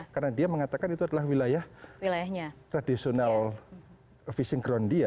karena dia mengatakan itu adalah wilayah tradisional visinkron dia